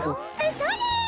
それ！